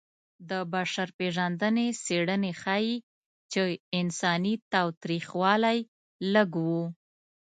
د بشر پېژندنې څېړنې ښيي چې انساني تاوتریخوالی لږ و.